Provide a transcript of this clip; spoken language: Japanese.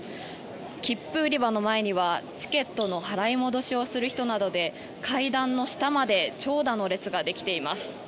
切符売り場の前には、チケットの払い戻しをする人などで階段の下まで長蛇の列ができています。